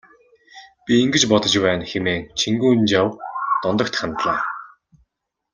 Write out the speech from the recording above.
Би ингэж бодож байна хэмээн Чингүнжав Дондогт хандлаа.